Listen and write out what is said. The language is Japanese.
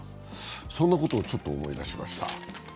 そんなことをちょっと思い出しました。